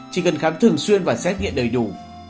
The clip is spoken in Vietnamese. chỉ cần khám thường xuyên và xét nghiệm đầy đủ